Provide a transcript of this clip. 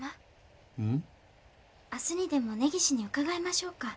明日にでも根岸に伺いましょうか？